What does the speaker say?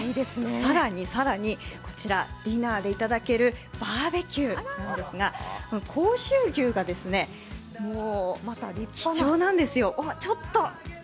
更に更に、こちらディナーでいただけるバーベキューなんですが甲州牛が貴重なんですよ。